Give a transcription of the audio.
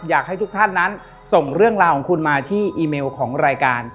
อยากให้ทุกท่านนั้นส่งเรื่องราวของคุณมาที่อีเมลของรายการ